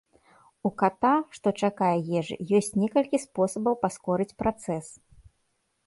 У ката, што чакае ежы, ёсць некалькі спосабаў паскорыць працэс.